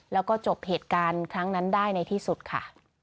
แล้วก็จบเหตุการณ์ครั้งนั้นได้ในที่สุดค่ะ